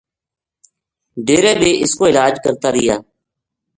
ڈیرے بے اس کو علاج کرتا رہیا